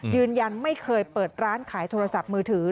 ยืนยันไม่เคยเปิดร้านขายโทรศัพท์มือถือ